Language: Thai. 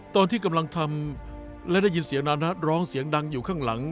ตอนที่กำลังทำและได้ยินเสียงนานัทร้องเสียงดังอยู่ข้างหลัง